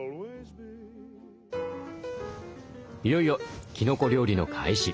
いよいよきのこ料理の開始。